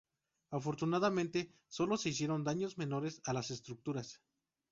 Afortunadamente, sólo se hicieron daños menores a las estructuras.